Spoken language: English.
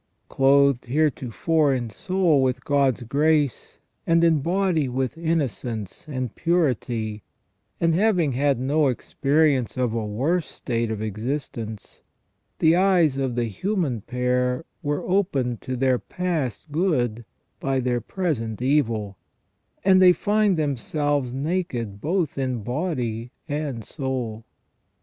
Clothed heretofore in soul with God's grace, and in body with innocence and purity, and having had no experience of a worse state of existence, the eyes of the human pair were opened to their past good by their present evil, and they find them selves naked both in body and soul.